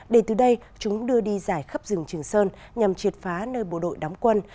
để từ đây chúng đưa đi dài khắp rừng trường sơn nhằm triệt phá nơi bộ đội đóng quân